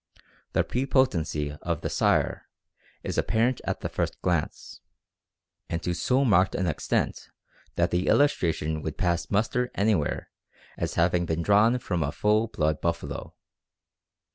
The prepotency of the sire is apparent at the first glance, and to so marked an extent that the illustration would pass muster anywhere as having been drawn from a full blood buffalo.